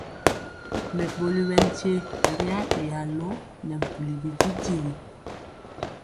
Mɛɓoli ɓɛ nkye ri aɗeya lo nɛ mpuli bididigi.